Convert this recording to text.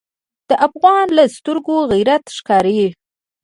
د افغان له سترګو غیرت ښکاري.